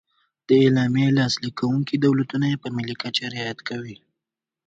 د اعلامیې لاسلیک کوونکي دولتونه یې په ملي کچه رعایت کوي.